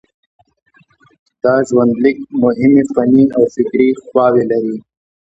دا ژوندلیک مهمې فني او فکري خواوې لري.